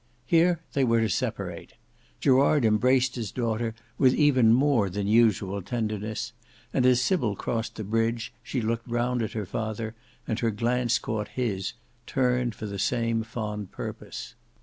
Here they were to separate. Gerard embraced his daughter with even more than usual tenderness; and as Sybil crossed the bridge, she looked round at her father, and her glance caught his, turned for the same fond purpose.